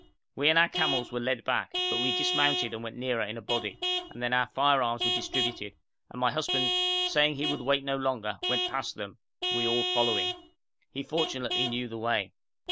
We and our camels were led back, but we dismounted and went nearer in a body, and then our firearms were distributed, and my husband, saying he would wait no longer, went past them, we all following. He fortunately knew the way.